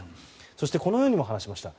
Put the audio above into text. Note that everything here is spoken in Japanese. そしてこのようにも話しました。